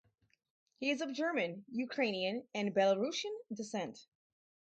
He is of German, Ukrainian, and Belarussian descent.